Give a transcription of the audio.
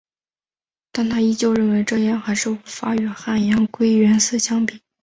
但她依旧认为这样还是无法与汉阳归元寺相比。